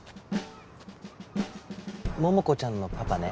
ももこちゃんのパパね